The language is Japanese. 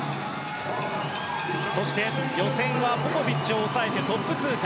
予選はポポビッチを抑えてトップ通過。